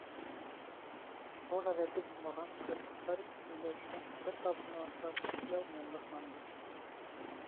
Был ғәҙәти булмаған көн Шарик исемле эттең кер һабыны ашап сирләүенән башланды.